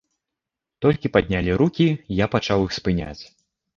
Толькі паднялі рукі, я пачаў іх спыняць.